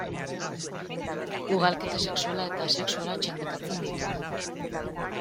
Ugalketa sexuala eta asexuala txandakatzen ditu.